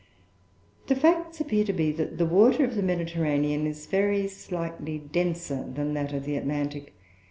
The facts appear to be that the water of the Mediterranean is very slightly denser than that of the Atlantic (1.